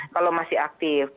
kalau masih aktif